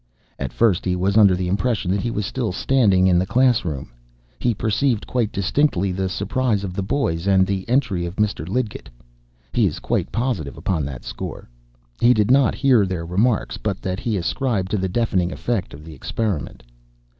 At first he was under the impression that he was still standing in the class room. He perceived quite distinctly the surprise of the boys and the entry of Mr. Lidgett. He is quite positive upon that score. He did not hear their remarks; but that he ascribed to the deafening effect of the experiment.